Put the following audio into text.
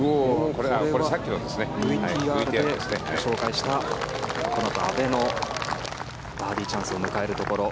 ＶＴＲでご紹介した阿部のバーディーチャンスを迎えるところ。